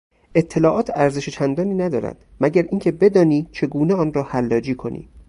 اطلاعات ارزش چندانی ندارد مگر اینکه بدانی چگونه آن را حلاجی کنی.